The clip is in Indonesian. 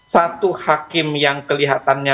satu hakim yang kelihatannya